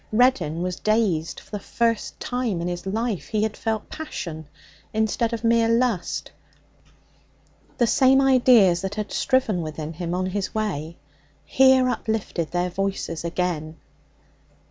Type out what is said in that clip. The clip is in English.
Reddin was dazed. For the first time in his life he had felt passion instead of mere lust. The same ideas that had striven within him on his way here uplifted their voices again.